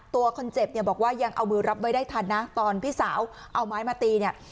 ตัวคนเจ็บเนี่ยบอกว่ายังเอามือรับไว้ได้ทันนะตอนพี่สาวเอาไม้มาตีเนี่ย